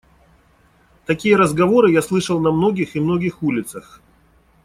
Такие разговоры я слышал на многих и многих улицах.